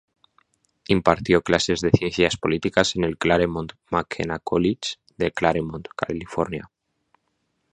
Impartió clases de Ciencias Políticas en el Claremont McKenna Collage de Claremont, California.